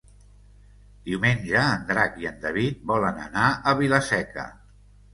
Diumenge en Drac i en David volen anar a Vila-seca.